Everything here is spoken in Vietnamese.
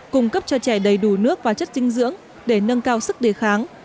cung cấp cho trẻ đầy đủ nước và chất dinh dưỡng để nâng cao sức đề kháng